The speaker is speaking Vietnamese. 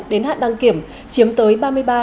đến hạn đăng kiểm chiếm tới ba mươi ba bốn mươi ba